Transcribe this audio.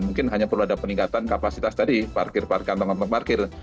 mungkin hanya perlu ada peningkatan kapasitas tadi parkir parkir kantong kantong parkir